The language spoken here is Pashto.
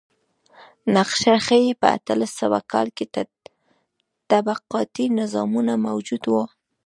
نقشه ښيي په اتلس سوه کال کې طبقاتي نظامونه موجود و.